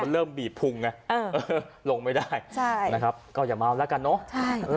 เริ่มบีบพุงไงลงไม่ได้นะครับก็อย่าเมาแล้วกันเนอะ